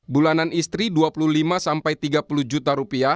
bulanan istri rp dua puluh lima tiga puluh juta